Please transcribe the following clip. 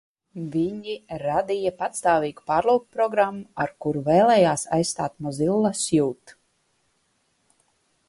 Viņi radīja patstāvīgu pārlūkprogrammu, ar kuru vēlējās aizstāt Mozilla Suite.